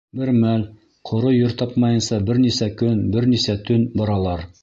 Бер мәл ҡоро ер тапмайынса бер нисә көн, бер нисә төн баралар.